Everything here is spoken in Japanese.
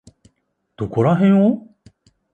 どこらへんを？